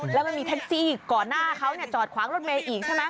แล้วมันมีแท็กซี่ก่อนหน้าเขาจอดขวางรถเมย์อีกใช่ไหม